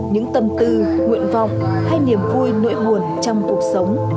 những tâm tư nguyện vọng hay niềm vui nội nguồn trong cuộc sống